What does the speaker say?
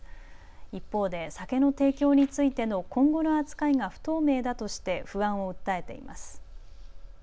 一方で酒の提供についての今後の扱いが不透明だとして不安を訴えています。